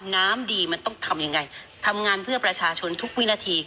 น้ำดีมันต้องทำยังไงทำงานเพื่อประชาชนทุกวินาที